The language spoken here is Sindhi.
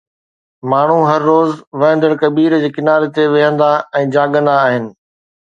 ماڻهو هر روز وهندڙ ڪبير جي ڪناري تي ويهندا ۽ جاڳندا آهن.